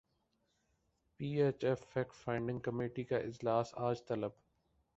پی H F fact finding committee کا اجلاس اج طلب